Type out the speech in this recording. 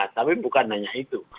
tapi bukan hanya itu